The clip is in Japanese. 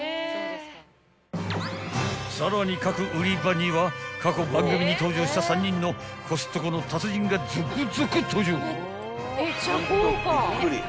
［さらに各売り場には過去番組に登場した３人のコストコの達人が続々登場］